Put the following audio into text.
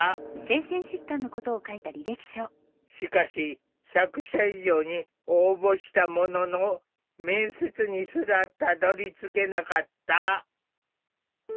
しかし１００社以上に応募したものの面接にすらたどりつけなかった。